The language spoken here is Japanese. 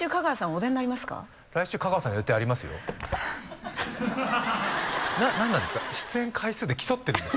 来週香川さん予定ありますよ何なんですか？